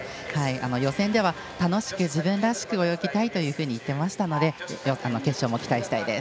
予選では楽しく、自分らしく泳ぎたいというふうに言っていましたので決勝も期待したいです。